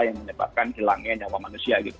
yang menyebabkan hilangnya nyawa manusia gitu